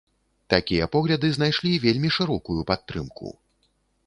Такія погляды знайшлі вельмі шырокую падтрымку.